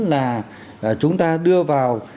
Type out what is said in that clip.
là chúng ta đưa vào